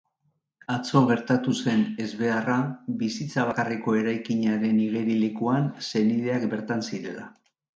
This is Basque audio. Atzo gertatu zen ezbeharra, bizitza bakarreko eraikinaren igerilekuan, senideak bertan zirela.